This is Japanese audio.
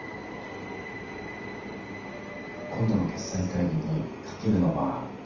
今度の決裁会議にかけるのは取りやめます。